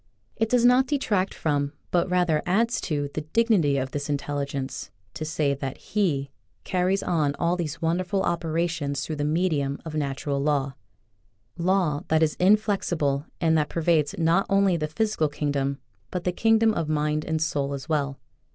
It does not detract from, but rather adds to, the dignity of this Intelligence to say that He carries on all these wonderful operations through the medium of Natural Law — Law that is inflexible and that pervades not only the physical kingdom, but the kingdoms of mind and soul as well.